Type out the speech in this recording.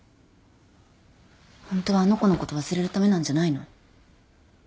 ホントはあの子のこと忘れるためなんじゃないの？